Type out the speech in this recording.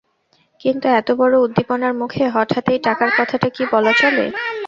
কিন্তু এতবড়ো উদ্দীপনার মুখে হঠাৎ এই টাকার কথাটা কি বলা চলে?